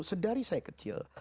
sedari saya kecil